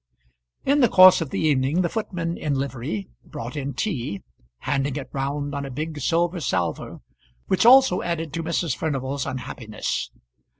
In the course of the evening the footman in livery brought in tea, handing it round on a big silver salver, which also added to Mrs. Furnival's unhappiness.